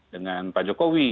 dengan pak jokowi